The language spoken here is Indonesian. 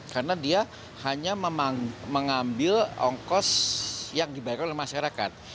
karena dia hanya mengambil ongkos yang dibayar oleh masyarakat